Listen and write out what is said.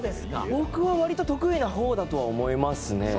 僕は割と得意な方だと思いますね。